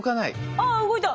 ああ動いた。